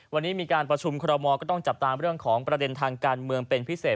วันนี้มีการประชุมคอรมอลก็ต้องจับตามเรื่องของประเด็นทางการเมืองเป็นพิเศษ